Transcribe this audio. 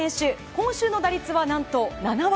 今週の打率は何と７割。